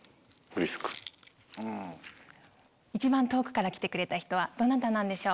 一番遠くから来てくれた人はどなたなんでしょう？